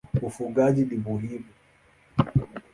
Ufugaji ni muhimu.